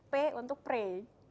p untuk pray